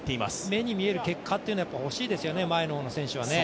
目に見える結果というのはほしいですよね、前の方の選手は。